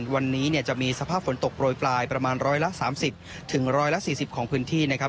วันนี้เนี้ยจะมีสภาพฝนตกโปรยปลายประมาณร้อยละสามสิบถึงร้อยละสี่สิบของพื้นที่นะครับ